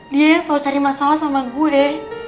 dia selalu cari masalah sama gue